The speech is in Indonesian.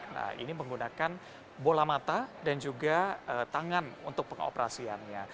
nah ini menggunakan bola mata dan juga tangan untuk pengoperasiannya